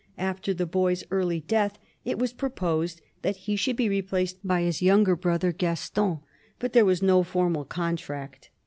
After the boy's early death it was proposed that he should be replaced by his younger brother, Gaston, but there was no formal contract.